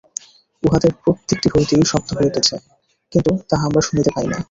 উহাদের প্রত্যেকটি হইতেই শব্দ হইতেছে, কিন্তু তাহা আমরা শুনিতে পাই না।